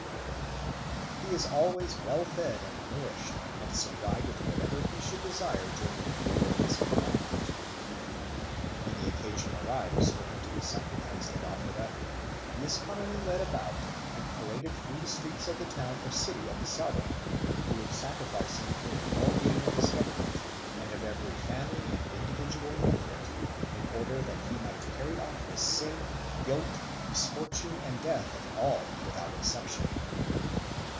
_ He is always well fed and nourished and supplied with whatever he should desire during the period of his confinement. When the occasion arrives for him to be sacrificed and offered up, he is commonly led about and paraded through the streets of the town or city of the Sovereign who would sacrifice him for the well being of his government and of every family and individual under it, in order that he might carry off the sin, guilt, misfortune and death of all without exception.